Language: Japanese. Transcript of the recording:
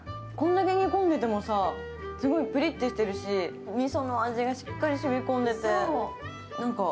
これだけ煮込んでてもさ、すごいプリッとしてるしみその味がしっかり染み込んでて。